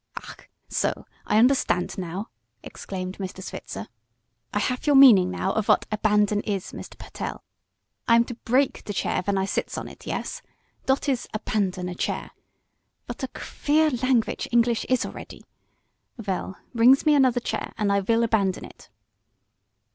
"Ach! So. I unterstandt now!" exclaimed Mr. Switzer. "I haf your meaning now, of vat 'abandon' is, Mr. Pertell. I am to break der chair ven I sits on it, yes? Dot is 'abandon' a chair. Vot a queer lanquitch der English is, alretty. Vell, brings me annuder chair und I vill abandon it!"